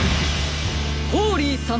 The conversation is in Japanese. ホーリーさん！